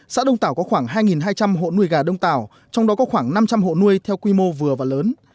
xã đông tảo có khoảng hai hai trăm linh hộ nuôi gà đông tảo trong đó có khoảng năm trăm linh hộ nuôi theo quy mô vừa và lớn